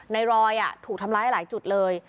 ในรอยถูกทำร้ายหลายจุดเลย